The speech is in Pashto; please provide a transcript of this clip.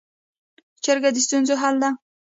جرګه د ستونزو حل دی